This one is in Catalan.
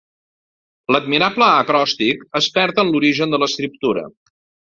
L'admirable acròstic- es perd en l'origen de l'escriptura.